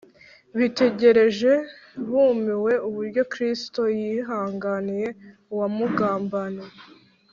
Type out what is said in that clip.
bitegereje bumiwe uburyo kristo yihanganiye uwamugambaniye